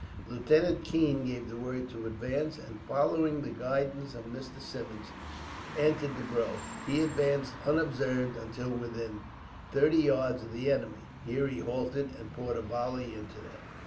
Lieutenant Keene gave the word to advance and, following the guidance of Mr. Symmonds, entered the grove. He advanced, unobserved, until within thirty yards of the enemy. Here he halted, and poured a volley into them.